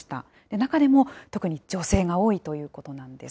中でも、特に女性が多いということなんです。